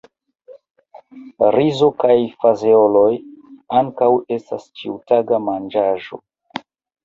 Rizo kaj fazeoloj ankaŭ estas ĉiutaga manĝaĵo.